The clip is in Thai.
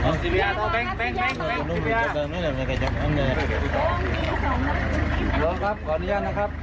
นี่ค่ะก็พยายามที่จะช่วยชีวิตนะคะคนที่ถูกยิงนะคะ